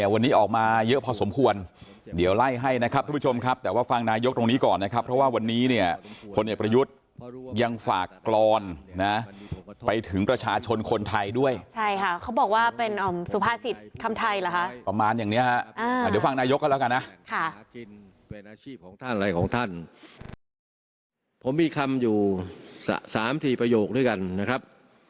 ผมมีคำอยู่๓ทีประโยคด้วยกันนะครับ